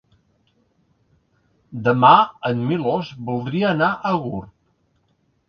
Demà en Milos voldria anar a Gurb.